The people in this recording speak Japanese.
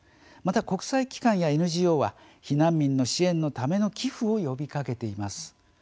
また、国際機関やＮＧＯは避難民の支援のための寄付を呼びかけています。